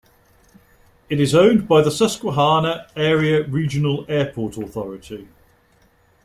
It is owned by the Susquehanna Area Regional Airport Authority.